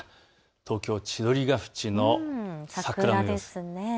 東京千鳥ケ淵の桜です。